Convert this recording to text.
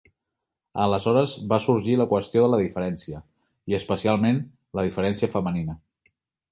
Aleshores va sorgir la qüestió de la diferència i especialment la diferència femenina.